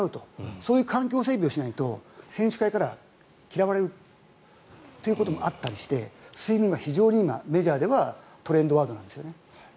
そういう環境整備をしないと選手会から嫌われるということもあったりして睡眠は非常に今、メジャーではトレンドワードなんですよね。